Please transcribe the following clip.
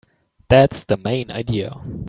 That's the main idea.